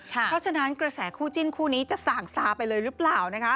เพราะฉะนั้นกระแสคู่จิ้นคู่นี้จะสั่งซาไปเลยหรือเปล่า